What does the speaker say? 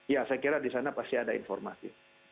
ya saya kira di sana pasti ada informasi